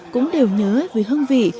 cũng đều nhớ về hương vị